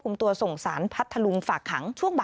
มา